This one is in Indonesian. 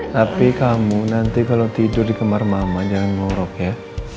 tapi kamu nanti kalau tidur di kamar mama jangan ngorok ya